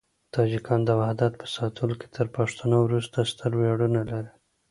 تاجکان د وحدت په ساتلو کې تر پښتنو وروسته ستر ویاړونه لري.